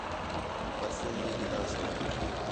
پرفیوم بھی گِدھا سے